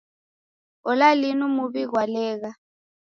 Ola linu muw'I ghwalegha!